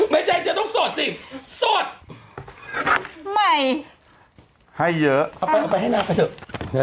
ไม่ใช่จะต้องสดสิสดใหม่ให้เยอะ